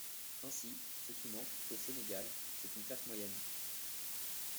Ainsi, ce qui manque, au Sénégal, c’est une classe moyenne.